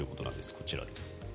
こちらです。